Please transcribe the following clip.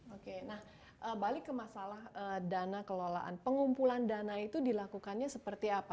oke nah balik ke masalah dana kelolaan pengumpulan dana itu dilakukannya seperti apa